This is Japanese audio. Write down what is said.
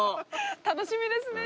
楽しみですね。